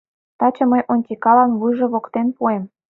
Таче мый Онтикалан вуйжо воктен пуэм.